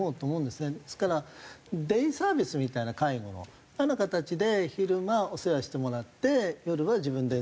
ですからデイサービスみたいな介護のあのような形で昼間お世話してもらって夜は自分で寝れるという。